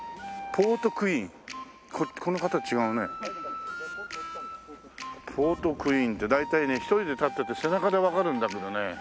ポートクイーンって大体ね１人で立ってて背中でわかるんだけどね。